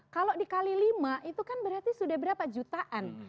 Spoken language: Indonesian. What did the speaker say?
kalau dikali lima itu kan berarti sudah berapa jutaan